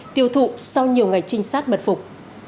tiêu thụ sau nhiều ngày trinh sát bật phục